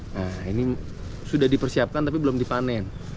nah ini sudah dipersiapkan tapi belum dipanen